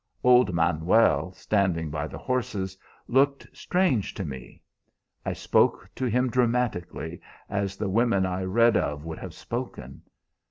Old Manuel, standing by the horses, looked strange to me. I spoke to him dramatically, as the women I read of would have spoken.